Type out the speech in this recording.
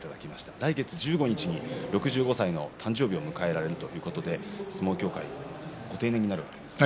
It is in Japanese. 来月１５日に６５歳の誕生日を迎えられるということで相撲協会定年になるわけですね。